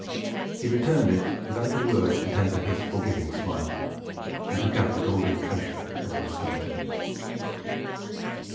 He returned it without a word to temper his forgiving smile, and took out The Golden Treasury as a restorative.